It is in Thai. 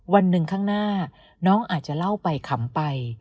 วันหนึ่งข้างหน้าน้องอาจจะเล่าไปขำไป